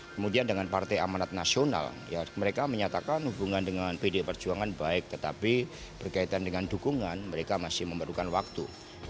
kemudian dengan partai amanat nasional mereka menyatakan hubungan dengan pd perjuangan baik tetapi berkaitan dengan dukungan mereka masih memerlukan waktu